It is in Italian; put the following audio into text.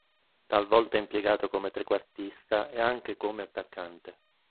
Talvolta impiegato come trequartista e anche come attaccante.